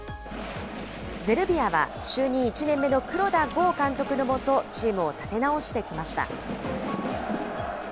ゼルビアは就任１年目の黒田剛監督の下、チームを立て直してきました。